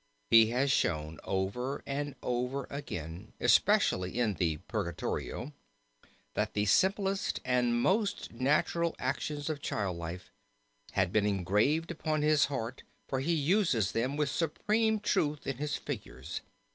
He has shown over and over again, especially in the Purgatorio, that the simplest and most natural actions of child life had been engraved upon his heart for he uses them with supreme truth in his figures.